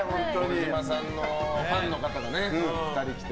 児嶋さんのファンの方が来て。